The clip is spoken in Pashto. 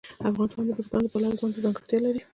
افغانستان د بزګان د پلوه ځانته ځانګړتیا لري.